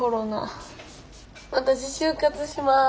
私就活します。